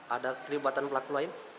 ada terlibatan pelaku lain